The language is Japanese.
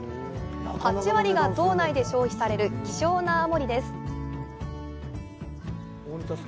８割が島内で消費される希少な泡盛です。